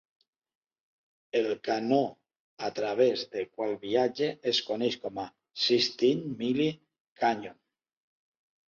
El canó a través del qual viatja es coneix com a Sixteen Mile Canyon.